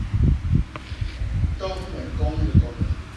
Tos me koñ likondo.